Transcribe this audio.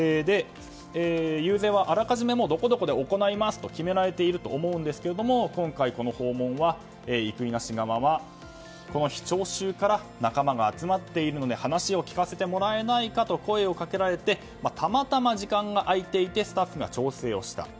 遊説はあらかじめどこどこで行いますと決められていると思うんですけども今回、この訪問は生稲氏側は、この日聴衆から仲間が集まっているので話を聞かせてもらえないかと声をかけられてたまたま時間が空いていてスタッフが調整をした。